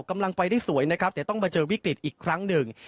กำลังไปได้สวยนะครับแต่ต้องมาเจอวิกฤตอีกครั้งหนึ่ง